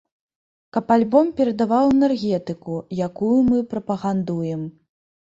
Каб альбом перадаваў энергетыку, якую мы прапагандуем.